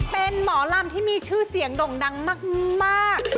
เป็นหมอลำที่มีชื่อเสียงด่งดังมาก